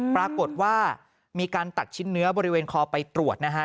ปรากฏว่ามีการตัดชิ้นเนื้อบริเวณคอไปตรวจนะฮะ